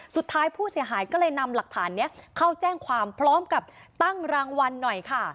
สุดท้ายผู้เสียหายก็เลยนำหลักฐานนี้เข้าแจ้งความพร้อมกับตั้งรางวัลหน่อยค่ะ